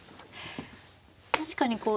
確かにこう